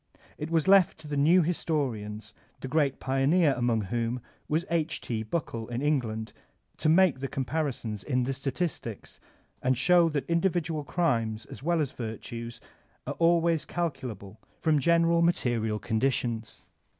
It was left to the new historians, the great pioneer among whom was H. T. Buckle in England, to make the comparisons in the statistics, and show that individual crimes as well as virtues are always calculable from gen* eral material conditions.